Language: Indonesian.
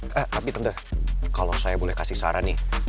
eh tapi tante kalau saya boleh kasih saran nih